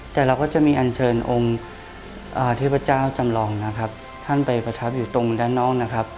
แต่เราก็จะมีอัญเชิญองค์เทพเจ้าจำลองท่านไปประทับอยู่ตรงด้านนอก